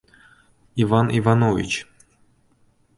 Ivan Ivanovich!